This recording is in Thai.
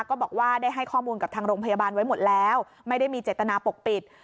ก็บอกว่าได้ให้ข้อมูลกับทางโรงพยาบาลไว้หมดแล้วไม่ได้มีเจตนาปกปิด